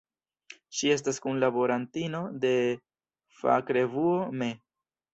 Ŝi estas kunlaborantino de fakrevuo "Me.